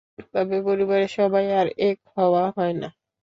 তবে পরিবারের সবাই আর এক হওয়া হয় না।